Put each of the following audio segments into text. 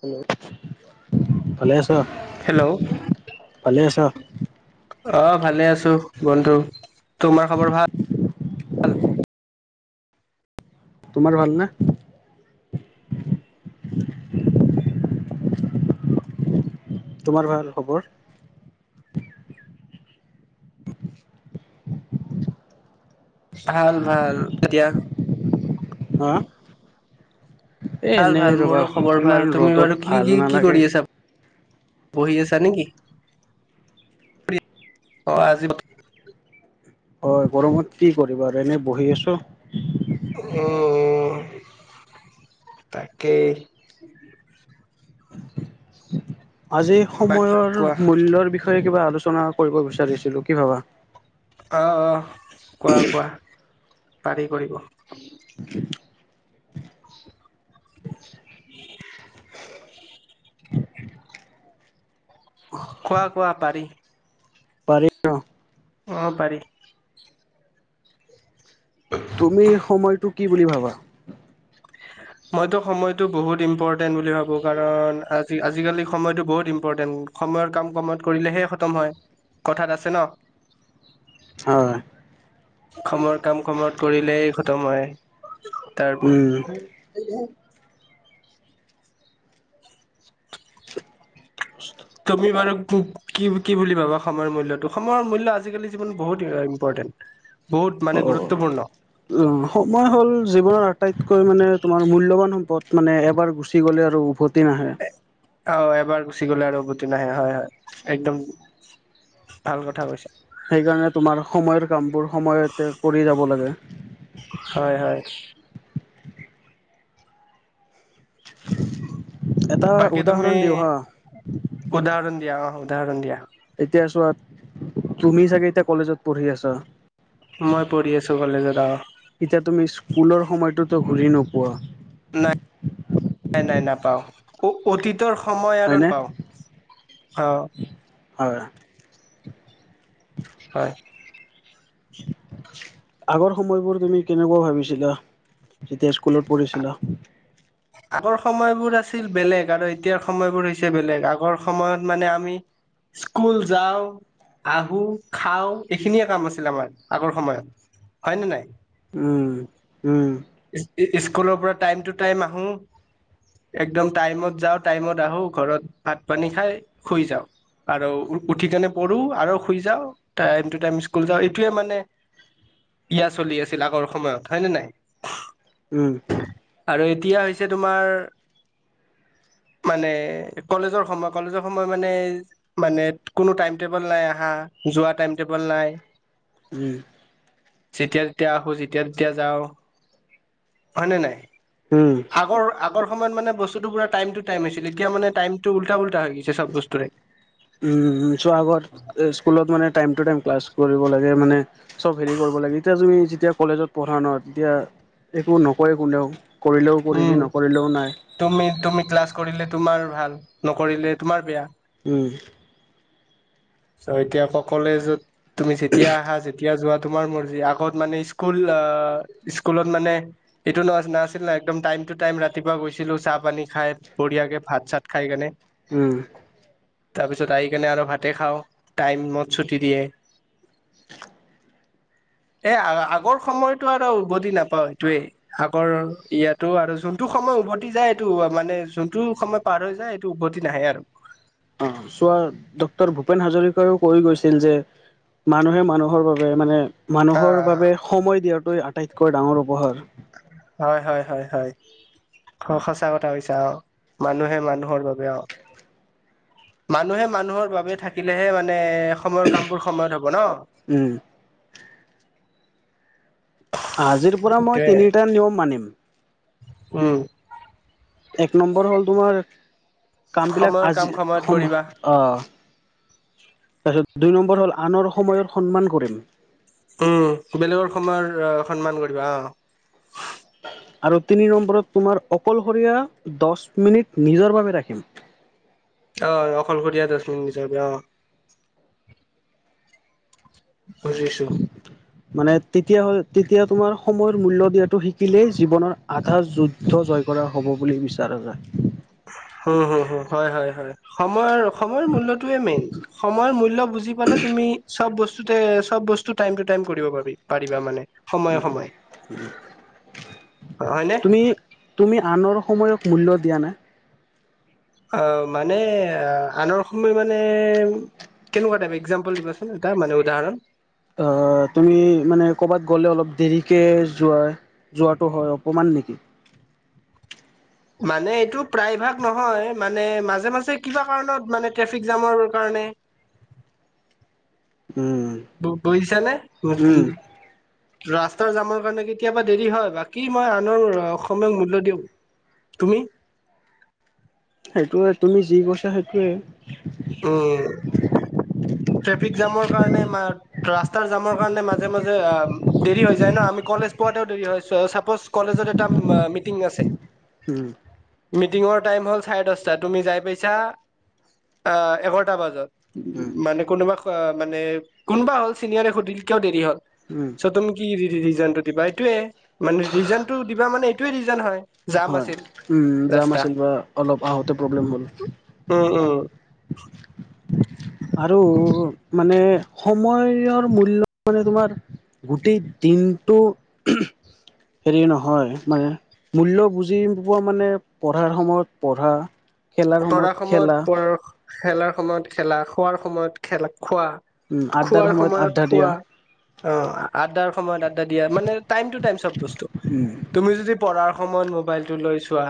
Hello ভালে আছ hello ভালে আছ অ, ভালে আছো বন্ধু তোমাৰ খবৰ ভাল। তোমাৰ ভাল নে? তোমাৰ ভাল খবৰ? ভাল ভাল তেতিয়া। হা এ ভাল এনেই ভাল ৰবা মোৰো খবৰ ভাল ইমান তুমি ৰ'দত বাৰু কি ভাল কি কি নালাগে কৰি আছা। বহি আছা নেকি অ, আজি। হয় গৰমত কি কৰে। পৰিবাৰে এনেই বহি আছোঁ। উম তাকেই। আজি বাকী সময়ৰ কোৱা মূল্যৰ বি বিষয়ে কিবা আলোচনা কৰিব বিচাৰিছিলো কি ভাবা? অ, অ, কোৱা কোৱা। পাৰি কৰিব। [unintelligible] [unintelligible] কুৱা কুৱা পাৰি। পাৰি ন অ, পাৰি তুমি সময়টো কি বুলি ভাবা। মইতো সময়টো বহুত ইম্পৰটেণ্ট বুলি ভাবো, কাৰণ আজি আজিকালি সময়টো বহুত ইম্পৰটেণ্ট সময়ৰ কাম কমত কৰিলেহে খতম হয়। কথাত আছে ন। হয় সময়ৰ কাম কমত কৰিলেই খতম হয়। তাৰ উম তুমি বাৰু কি, কি বুলি ভাবা সময়ৰ মূল্যটো সময়ৰ মূল্য আজিকালি জীৱনত বহুত আহ ইম্পৰটেণ্ট। অহ উম সময় হ'ল জীৱনৰ টাইতকৈ মানে তোমাৰ মূল্যৱান সম্পদ মানে এবাৰ গুচি গ'লে আৰু উভত তি নাহে। অ এবাৰ গুচি গলে আৰু উভতি নাহে হয় হয় একদম ভাল কথা কৈছা। সেইকাৰণে তোমাৰ সময়ৰ কামবোৰ সময়তে কৰি যাব লাগে। হয় হয় [inaudible] এটা বাকী তুমি উদাহৰণ দিওঁ হা। উদাহৰণ দিয়া অ উদাহৰণ দিয়া। এতিয়া চোৱা তুমি চাগে এতিয়া কলেজত পঢ়ি আছা। মই পঢ়ি আছো কলেজত অহ্ এতিয়া তুমি স্কুলৰ সময়তোতো ঘূৰি নোপোৱা। নাই নাই নাই না পাও অ অতীত তৰ সময় আৰু হয়নে নাপাও অহ [inaudible] হয় আগৰ সময়বোৰ তুমি কেনেকুৱা ভাবিছিলা। যেতিয়া স্কু- স্কুলত পঢ়িছিলা? আগৰ সময়বোৰ আছিল বেলেগ আৰু এতিয়াৰ সময়বোৰ হৈছে বেলেগ আগৰ সময়ত মানে আমি স্কুল যাওঁ আহো খাওঁ। এইখিনিয়ে কাম আছিল আমাৰ আগৰ সময়ত হয় নে নাই? উম উম স্কুলৰ পৰা টাইম টু টাইম আহো। একদম টাইমত যাওঁ টাইমত আহো ঘৰত ভাত পানী খাই শুই যাওঁ আৰু উঠি কেনে পঢ়ো আৰু শুই যাওঁ। টাইম টু টাইম স্কুল যাওঁ। এইটোৱে মানে ইয়া চলি আছিল আগৰ সময়ত হয়নে নাই? উম আৰু এতিয়া হৈছে তোমাৰ মানে কলেজৰ সময় কলেজৰ সময় মানে মানে কোনো টাইম টেবল নাই আহা যোৱা টাইম টেবল নাই। উম যেতিয়া তেতিয়া আহো যেতিয়া তেতিয়া যাওঁ। হয় নে নাই? উম উম আগৰ আগ আগৰ সময়ত মানে বস্তুটো পুৰা টাইম টু টাইম আছিল এতিয়া মানে টাইমটো উল্টা পুল উম চোৱা আগত স্কুলত মানে টাইম টু টাইম ক্লাছ কৰিব লাগ। মানে চব হেৰি কৰিব লাগে। এতিয়া তুমি যেতিয়া কলেজত পঢ়া ন তেতিয়া একো নকয় কোনেও। কৰিলেও কৰিবি উম নকৰিলেও নাই। তুমি তুমি ক্লাছ কৰিলে তোমাৰ ভাল নকৰিলে তোমাৰ বেয়া উম চ এতিয়া আকৌ কলেজত- তুমি যেতিয়া আহা, যেতিয়া যোৱা তোমাৰ মৰ্জি, আগত মানে স্কুল আ স্কুলত মানে এইটো ন নাছিল ন একদম টাইম টু টাইম ৰাতিপুৱা গৈছিলো চাহ পানী খাই বঢ়িয়াকে ভাত চাত খাই কেনে। উম তাৰ পিছত আহি কিনে আৰু ভাতে খাওঁ। টাইমত ছুটি দিয়ে, এ আ আগৰ সময়তটো আৰু উভতি নাপাও এইটোৱেই আগৰ ইয়াতো আৰু যোনটো সময় উভতি যায় এইটো মানে যোনটো সময় পাৰ হৈ যায় সেইটো উভতি নাহে আৰু। অঁ চোৱা ডক্টৰ ভূপেন হাজৰিকাইও কৈ গৈছিল যে, মানুহে মানুহৰ বাবে মানে অ মানুহৰ বাবে সময় দিয়াটোৱে আ আটাইতকৈ ডাঙৰ উপহাৰ। হয় হয়-হয় - হয়, অ সঁচা কথা কৈছা, অ মানুহে মানুহৰ বাবে, অ মানুহে মানুহৰ বাবে থাকিলেহে মানে সময়ৰ কামবোৰ সময়ত হ'ব ন। উম আজিৰ পৰা মই সেইটোৱে। তিনিটা নিয়ম মানিম। উম এক নম্বৰ হ'ল তোমাৰ কাম বিলাক সময়ৰ কাম আজি, সময়ত সম কৰিবা অ তাৰপিছত দুই নম্বৰ হ'ল, আনৰ সময়ৰ সন্মান কৰিম। উম বেলেগৰ সময়ৰ সন্মান কৰিবা, অঁ। আৰু তিনি নম্বৰত তোমাৰ, অকলশৰীয়া দশ মিনিট নিজৰ বাবে ৰাখিম। অঁ, অকলশৰীয়া দশ মিনিট নিজৰ বাবে অঁ। [inaudible] বুজিছো। মানে তেতিয়া হয়, তেতিয়া তোমাৰ সময়ৰ মূল্য দিয়াটো শিকিলেই জীৱনৰ আধা যুদ্ধ জয় কৰা হব বুলি [unintelligible] উম হু হু হয় হয়-হয়, সময়ৰ সময়ৰ মূল্যটোৱে মেইন, সময়ৰ মূল্য বুজি পালে তুমি চব বস্তু [unintelligible] চব বস্তু টাইম টু টাইম কৰিব পাৰি, পাৰিবা মানে। সময়ে সময়ে হয়নে তুমি-তুমি আনৰ সময়ক মূল্য দিয়া নে। অঁ মানে আনৰ সময় মানে কেনেকুৱা টাইপ, একজাম্পল দিবাচোন এটা মানে উদাহৰণ। অঁ তুমি মানে কৰ'বাত গ'লে অলপ দেৰিকে যোৱা যোৱাটো হয় অকমান নেকি। মানে এইটো প্ৰায় ভাগ নহয় মানে মাজে, মাজে কিবা কাৰণত মানে ট্ৰেফিক জামৰ কাৰণে উম [unintelligible] উম ৰাস্তাৰ জামৰ কাৰণে কেতিয়াবা দেৰি হয়, বাকী মই আনৰ অ', সময়ক মূল্য দিওঁ। তুমি? সেইটোয়ে তুমি যি কৈছা সেইটোয়ে। উম ট্ৰেফিক জামৰ কাৰণে মা- ৰাস্তাৰ জামৰ কাৰণে মাজে- মাজে আ দেৰি হৈ যায় ন আমি কলেজ পোৱাতেও দেৰি হয়, চাপজ কলেজত এটা মিটিং আছে উম মিটিঙৰ টাইম হ'ল চাৰে দশটা, তুমি যায় পাইছা অ', এঘাৰটা বজাত। উম মানে কোনোবা অ', মানে কোনোবা হ'ল চিনিয়ৰ সুধিল কিয় দেৰি হ'ল? উম চ তুমি কি ৰী ৰিজনটো দিবা এইটোৱে মানে ৰিজনটো দিবা মানে এইটোয়ে ৰিজন হয়, জাম হয় আছিল উম যাম ৰাস্তা। আছিল বা অলপ আহোতে প্ৰব্লেম হ'ল উম, উম। [inaudible] আৰু মানে সময়ৰ মূল্য মানে তোমাৰ গোটেই দিনটো [unintelligible] হেৰি নহয়, মানে মূল্য বুজি পোৱা মানে পঢ়াৰ সময়ত পঢ়া খেলাৰ পঢ়াৰ সময়ত খেলা। পঢ় খেলাৰ সময়ত খেলা, খোৱাৰ সময়ত খেলা খোৱা। উম, আড্ডাৰ খোৱাৰ আড্ডা সময়ত দিয়া খোৱা অ', আড্ডাৰ সময়ত দিয়া, মানে টাইমটো টাইম চব বস্তু, উম, তুমি যদি পঢ়াৰ সময়ত ম'বাইলটো লৈ চোৱা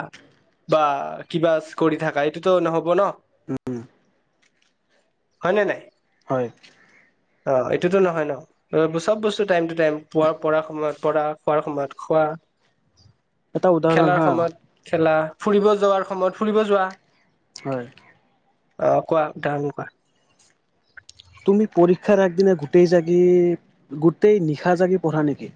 বা কিবা কৰি থা সেইটোতোও নহ'ব ন? হয়নে নাই? হয়। অ', এইটোতো নহয় ন? অ', চব বস্তু টাইম টো টাইম পোৱা পৰাৰ সময়ত পৰা, খোৱাৰ সময়ত খোৱা। এটা উদাহৰণ খেলাৰ হা সময়ত খেলা। ফুৰিব যোৱাৰ সময়ত ফুৰিব যোৱা। হয়। অ', কোৱা [unintelligible] কোৱা। তুমি পৰীক্ষাৰ আগদিনা গোটেই জাগি গোটেই নিশা জাগি পঢ়া নেকি?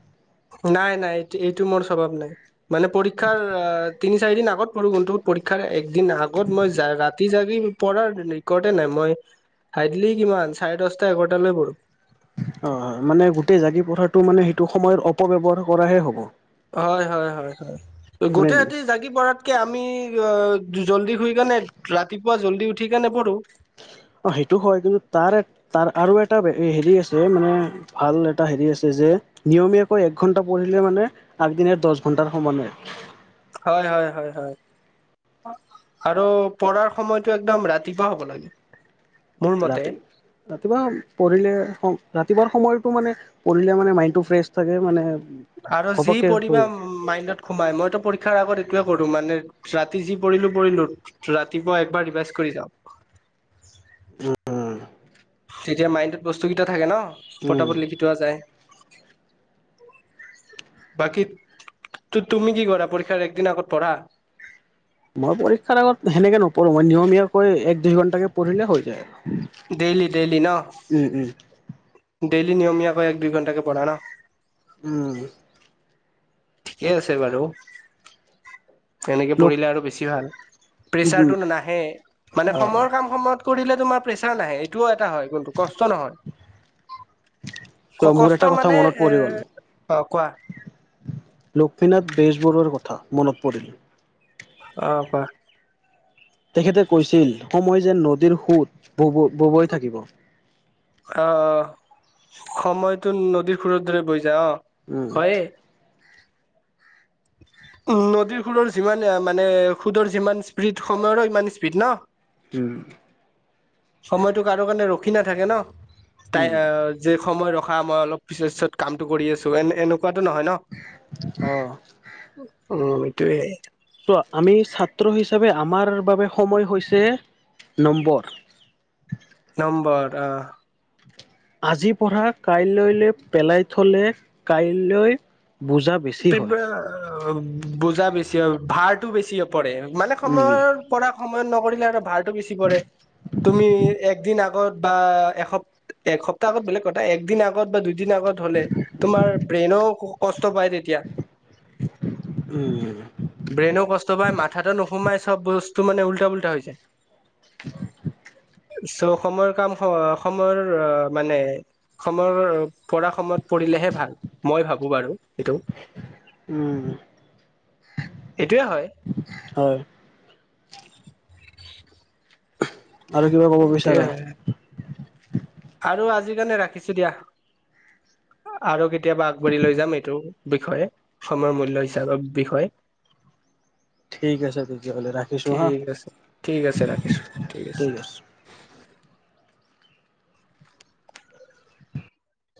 নাই, নাই এইটো মোৰ স্বভাৱ নাই। মানে পৰীক্ষাৰ আ তিনি, চাৰি দিন আগত পঢ়ো [inaudible] পৰীক্ষাৰ একদিন আগত মই ৰাতি জাগি পঢ়াৰ ৰিকডেই নাই। মই হাৰ্ডলি কিমান চাৰে দশটা এঘাৰটালৈ পঢ়ো। অহ, মানে গোটেই জাগি পঢ়াটো মানে সেইটো সময়ৰ অপব্যবহাৰ কৰাহে হ'ব। হয়, হয়, হয়, হয়। মানে গোটেই ৰাতি জাগি পঢ়াতকে আমি অ', জল্দি শুই কেনে ৰাতিপুৱা জল্দি উঠি কেনে পঢ়ো। অ', সেইটো হয় কিন্তু তাৰ তাৰ আৰু এটা হেৰি আছে মানে ভাল এটা হেৰি আছে যে, নিয়মীয়াকৈ একঘণ্টা পঢ়িলে মানে আগদিনীয়া দহ ঘণ্টাৰ সমানে। হয়, হয়, হয়, হয়, আৰু পঢ়াৰ সময়তটো একদম ৰাতিপুৱা হ'ব লাগে। মোৰ মতে ৰাতি, ৰাতিপুৱা পঢ়িলে ৰাতিপুৱা সময়তটো মানে পঢ়িলে মানে মাইণ্ডটো ফ্ৰেছ থাকে মানে। আৰু যি ঘপককে হৈ পঢ়িবা মাইণ্ডত সোমাই মইতো পৰীক্ষাৰ আগত এইোৱে কৰো মানে ৰাতি যি পৰিলো, পৰিলো ৰাতিপুৱা একবাৰ ৰিভাইজ কৰি যাওঁ। উম। [inaudible] তেতিয়া মাইণ্ডত বস্তু কেইটা থাকে ন! পতা উম পত লিখি থোৱা যায়। বাকী তো তুমি কি কৰা পৰীক্ষাৰ একদিন আগত পঢ়া? মই পৰীক্ষাৰ আগত সেনেকে নপঢ়োঁ মই নিয়মীয়াকৈ এক দুই ঘণ্টাকে পঢ়িলে হৈ যায় আৰু। ডেইলি, ডেইলি ন। উম ডেইলী নিয়মীয়া কৈ এক দুইঘণ্টা কে পঢ়া ন। উম ঠিকেই আছে বাৰু। তেনেকে লোক পঢ়িলে আৰু বেছি ভাল। উম প্ৰেচাৰটো নাহে মানে অ সময়ৰ কাম সময়ত কৰিলে তোমাৰ প্ৰেছাৰ নাহে এইটোও এটা হয় কিন্তু কষ্ট নহয়। চ' মোৰ এটা কষ্ট কথা মানে মনত এ, পৰি গ'ল অ, কোৱা? লক্ষ্মীনাথ বেজবৰুৱাৰ কথা মনত পৰিল। অ, কোৱা। তেখেতে কৈছিল সময় যেন নদীৰ সোঁত বব, ববৈ থাকিব। আহ সময়তো নদীৰ সুৰৰ দৰে বৈ যায় উম হয়। উ, নদীৰ সুুৰৰ যিমান মানে সুদৰ যিমান স্পীড সময়ৰো ইমান স্পীড ন। উম। সময়টো কাৰো কাৰণে ৰখি নাথাকে ন। তাই উম যে সময় ৰখা মই অলপ পিছৰ, পিছত কামটো কৰি আছো এ, এনেকোৱা এনে কোৱাটো নহয় ন উম অ তোৱেই। চোৱা আমি ছাত্ৰ হিচাপে আমাৰ বাবে সময় হৈছে নম্বৰ। নম্বাৰ অহ। আজি পৰা় কাইলৈলৈ পেলাই থলে কাইলৈ? বুজা বেছি হয়। অ, বুজা বেছি আৰু ভাৰটো বেছি- পৰে, মানে উম। সময়ৰ পৰা সময়ত নকৰিলে আৰু ভাল টো বেছি পৰে তুমি একদিন আগ গত বা এস-এসপ্তাহ আগত বেলেগ কথা একদিন আগত বা দুদিন আগত হলে তোমাৰ ব্ৰেইনও কষ্ট পায় দিয়া উম, ব্ৰেইনো কষ্ট পায় মা হঠাতে নোসোমাই চব বস্তু মানে উল্টা উল্টা হৈ যায়। চ' সময়ৰ কাম স-সময়ৰ মানে সময়ৰ পৰা সময়ত কৰিলেহে ভাল মই ভাবো বাৰু এইটো। উম এইটোয়ে হয় হয়। আৰু কিবা কব এইটোয়ে বিচাৰা? হয়। [unintelligible] আৰু আজি কাৰণে ৰাখিছো দিয়া আৰু কেতিয়াবা আগবাঢ়ি লৈ যাম এইটো বিষয়ে সময়ৰ মূল্য হিচাপৰ বিষয়ে। ঠিক আছে তেতিয়াহ'লে ৰাখিছো হা ঠিক আছে ঠিক আছে ৰাখিছো ঠিক আছে।